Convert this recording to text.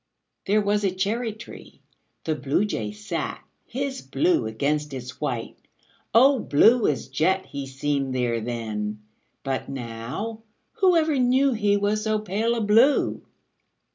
There was a cherry tree. The Bluejay sat His blue against its white O blue as jet He seemed there then! But now Whoever knew He was so pale a blue!